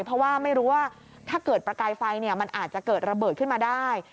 เพราะว่าไม่รู้ว่าถ้าเกิดประกายไฟมันอาจจะเกิดระเบิดขึ้นมาได้